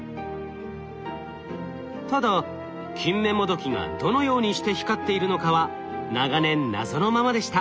ただキンメモドキがどのようにして光っているのかは長年謎のままでした。